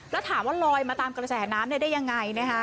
แล้วถามว่าลอยมาตามกระแสน้ำได้ยังไงนะคะ